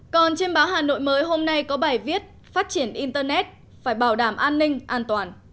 còn trên báo hà nội mới hôm nay có bài viết phát triển internet phải bảo đảm an ninh an toàn